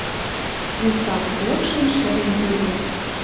Вуй савыц лыкшым шӹрен тӹдӹ